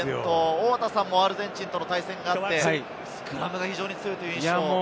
大畑さんもアルゼンチンとの対戦があって、スクラムが非常に強いという印象で。